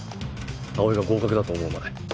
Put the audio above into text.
葵が合格だと思うまで。